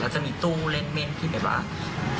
แล้วจะมีตู้เล่นเม่นที่ที่เห็นข้างหลังค่ะ